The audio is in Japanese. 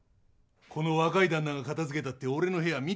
この若い旦那が片づけたって俺の部屋見てみな。